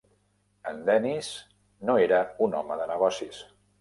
En Dennis no era un home de negocis.